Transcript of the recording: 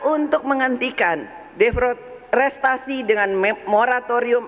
untuk menghentikan deforestasi dengan moratorium